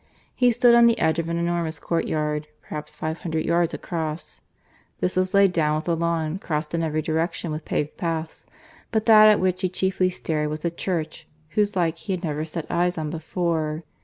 He stood on the edge of an enormous courtyard, perhaps five hundred yards across. This was laid down with a lawn, crossed in every direction with paved paths. But that at which he chiefly stared was a church whose like he had never set eyes on before.